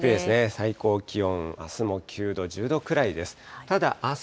最高気温、あすも９度、１０度くらいです。